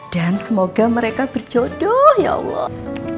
dan semoga mereka berjodoh ya allah